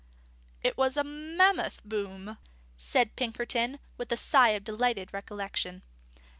"It was a mammoth boom," said Pinkerton, with a sigh of delighted recollection.